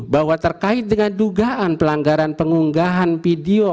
bahwa terkait dengan dugaan pelanggaran pengunggahan video